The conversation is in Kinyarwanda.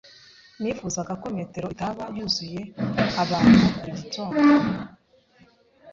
[S] Nifuzaga ko metro itaba yuzuye abantu buri gitondo.